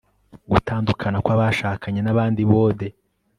gutandukana kwa bashakanye nabandi bode